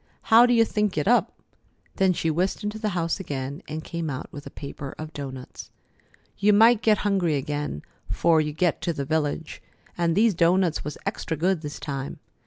How do you think it up?" Then she whisked into the house again and came out with a paper of doughnuts. "You might get hungry again 'fore you get to the village, and these doughnuts was extra good this time.